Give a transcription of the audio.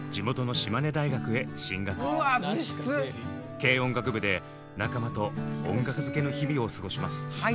軽音楽部で仲間と音楽漬けの日々を過ごします。